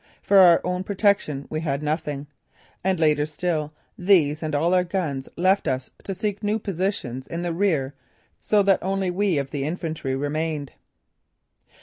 For our own protection we had nothing. And later still these and all other guns left us to seek new positions in the rear so that only we of the infantry remained.